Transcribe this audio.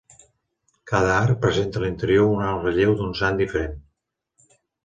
Cada arc presenta a l'interior un alt relleu d'un sant diferent.